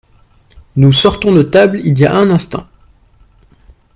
Nous sortons de table il y a un instant.